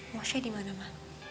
musya dimana ma